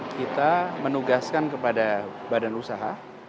kita menugaskan kepada badan usaha